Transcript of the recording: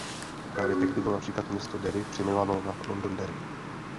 Právě tehdy bylo například město Derry přejmenováno na Londonderry.